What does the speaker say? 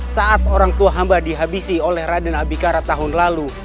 saat orang tua hamba dihabisi oleh raden abikara tahun lalu